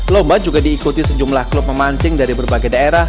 lomba juga diikuti sejumlah klub memancing dari berbagai daerah